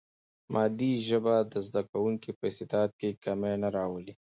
مادي ژبه د زده کوونکي په استعداد کې کمی نه راولي.